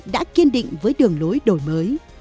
đã kiên định với đường lối đổi mới